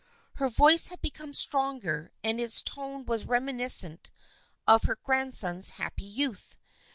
Her voice had become stronger, and its tone was reminiscent of her grandson's happy youth.